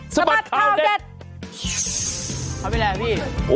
สมัดข่าว๗